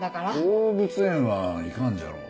動物園は行かんじゃろ。